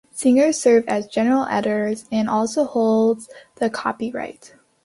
Singer served as General Editor and also holds the copyright.